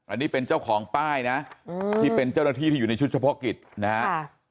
อันนี้เป็นเจ้าของป้ายนะที่เป็นเจ้าหน้าที่ที่อยู่ในชุดเฉพาะกิจนะฮะ